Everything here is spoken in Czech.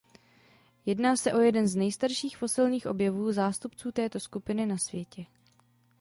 Jedná se o jeden z nejstarších fosilních objevů zástupců této skupiny na světě.